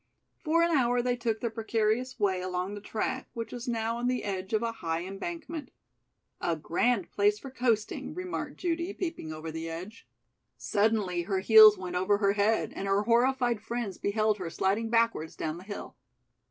For an hour they took their precarious way along the track, which was now on the edge of a high embankment. "A grand place for coasting," remarked Judy, peeping over the edge. Suddenly her heels went over her head and her horrified friends beheld her sliding backwards down the hill.